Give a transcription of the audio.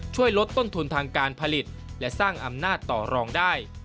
ช่วยลดต้นทุนทางการผลิตและสร้างอำนาจต่อรองได้